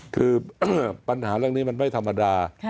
คือปัญหาเรื่องนี้มันไม่ธรรมดา